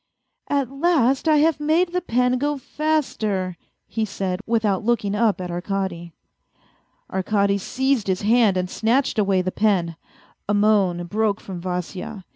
At last I have made the pen go faster," he said, without looking up at Arkady. Arkady seized his hand and snatched away the pen. A moan broke from Vasya.